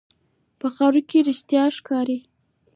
په خاوره کې رښتیا ښکاري.